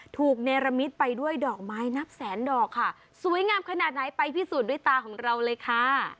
เนรมิตไปด้วยดอกไม้นับแสนดอกค่ะสวยงามขนาดไหนไปพิสูจน์ด้วยตาของเราเลยค่ะ